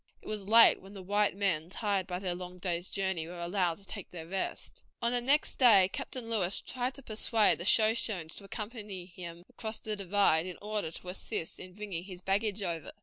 It was late when the white men, tired by their long day's journey, were allowed to take their rest. On the next day Captain Lewis tried to persuade the Shoshones to accompany him across the divide in order to assist in bringing his baggage over.